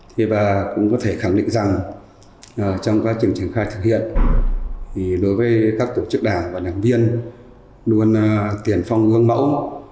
thế và cũng có thể khẳng định rằng trong quá trình triển khai thực hiện thì đối với các tổ chức đảng và đảng viên luôn tiền phong gương mẫu